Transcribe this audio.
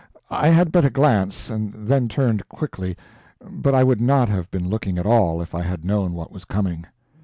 I had but a glance, and then turned quickly, but I would not have been looking at all if I had known what was coming.